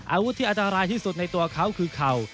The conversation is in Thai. อาวุธที่อันตรายที่สุดในตัวเขาคือเข่า